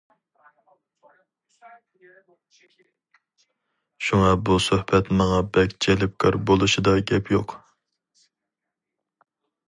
شۇڭا بۇ سۆھبەت ماڭا بەك جەلپكار بولۇشىدا گەپ يوق.